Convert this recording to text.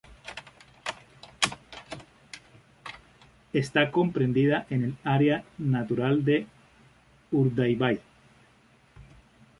Está comprendida en el área natural de Urdaibai.